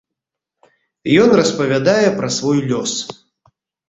Ён распавядае пра свой лёс.